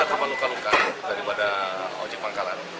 ada korban luka luka daripada ojek pangkalan